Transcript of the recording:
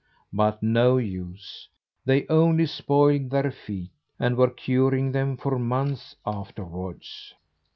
But no use; they only spoiled their feet, and were curing them for months afterwards.